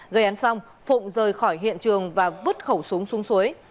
gây án xong phụng rời khỏi hiện trường và vứt khẩu súng xuống suối